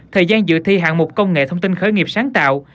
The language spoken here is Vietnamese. thời gian dự thi hạng mục công nghệ thông tin khởi nghiệp sáng tạo